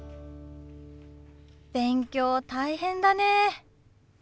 勉強大変だね。